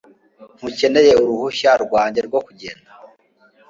Ntukeneye uruhushya rwanjye rwo kugenda